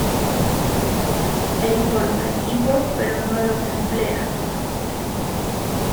Él forma equipos pero no los emplea.